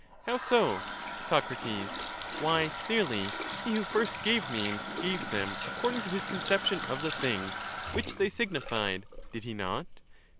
How so? Soc Why clearly he who first gave names gave them But supposing according to his conception of the things which they signified •nai'river"f did he not?